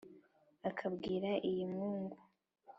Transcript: Akambwira iy’inkungu,